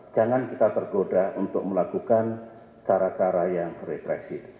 jangan kita tergoda untuk melakukan cara cara yang represif